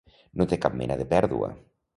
No té cap mena de pèrdua.